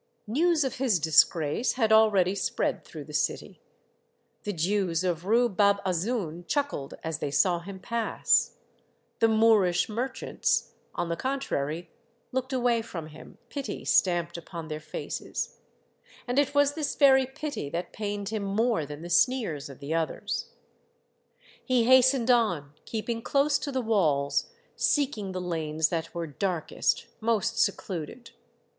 News of his disgrace had already spread through the city. The Jews of Rue Bab Azoun chuckled as they saw him pass. The Moorish merchants, on the contrary, looked away from him, pity sLamped upon their faces ; and it was this very pity that pained him more than the sneers of the others. Decorated the Fifteenth of August,, 151 He hastened on, keeping close to the walls, seeking the lanes that were darkest, most secluded.